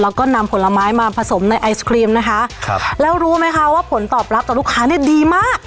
แล้วก็นำผลไม้มาผสมในไอศครีมนะคะครับแล้วรู้ไหมคะว่าผลตอบรับต่อลูกค้าเนี่ยดีมาก